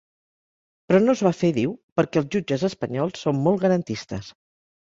Però no es va fer –diu– perquè els jutges espanyols són molt ‘garantistes’.